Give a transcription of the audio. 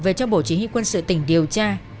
về cho bộ chỉ huy quân sự tỉnh điều tra